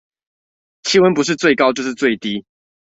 氣溫不是最高就是最低